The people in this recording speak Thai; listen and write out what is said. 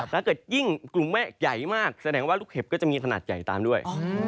ถ้าเกิดยิ่งกลุ่มเมฆใหญ่มากแสดงว่าลูกเห็บก็จะมีขนาดใหญ่ตามด้วย